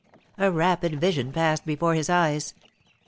A rapid vision passed before his eyes.